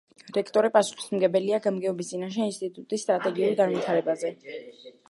რექტორი პასუხისმგებელია გამგეობის წინაშე ინსტიტუტის სტრატეგიულ განვითარებაზე.